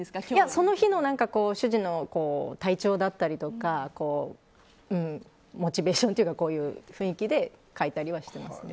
その日の主人の体調だったりモチベーションというか雰囲気で書いたりはしてます。